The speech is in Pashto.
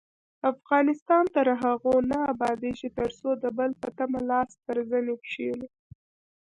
افغانستان تر هغو نه ابادیږي، ترڅو د بل په تمه لاس تر زنې کښينو.